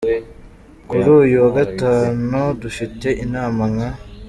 Kuri uyu wa Gatanu dufite inama nka